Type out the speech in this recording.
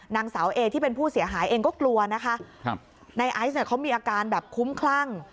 นางสาวเอที่เป็นผู้เสียหายเองก็กลัวนะคะครับในไอซ์เนี่ยเขามีอาการแบบคุ้มคลั่ง